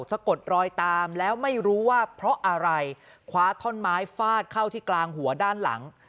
สะกดรอยตามแล้วไม่รู้ว่าเพราะอะไรคว้าท่อนไม้ฟาดเข้าที่กลางหัวด้านหลัง